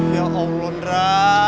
ya allah nera